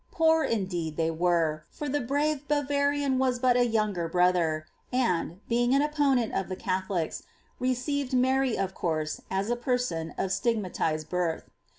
Poor, indeed, they were, for the brave Bavarian was but a younger brother, and, being an opponent of the Catholics, re ceived Mary, of course, as a person of stigmatised birth.